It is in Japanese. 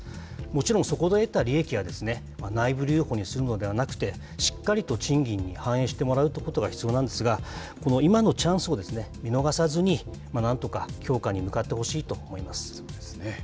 もちろんそこで得た利益は、内部留保にするのではなくて、しっかりと賃金に反映してもらうということが必要なんですが、今のチャンスを見逃さずに、なんとか強化に向かってほしいと思いまそうですね。